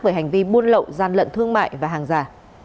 về hành vi buôn lậu gian lận thương mại và hàng giả